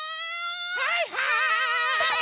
はいはい！